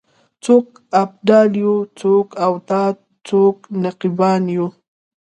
څوک ابدال یو څوک اوتاد څوک نقیبان یو